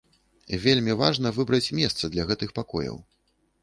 Вельмі важна выбраць месца для гэтых пакояў.